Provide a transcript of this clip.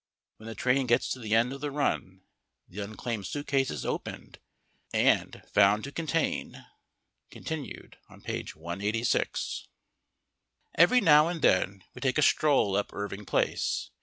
When the train gets to the end of the run the unclaimed suitcase is opened, and found to contain continued on page 186. Every now and then we take a stroll up Irving Place.